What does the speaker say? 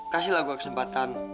kasihlah gue kesempatan